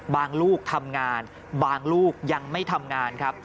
ลูกทำงานบางลูกยังไม่ทำงานครับ